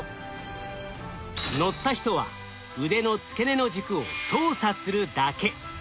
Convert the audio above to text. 乗った人は腕の付け根の軸を操作するだけ。